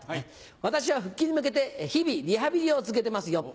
私は復帰に向けて日々リハビリを続けてますよ。